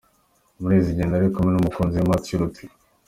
Muri izi ngendo ari kumwe n’umukunzi we Matthew Rutler.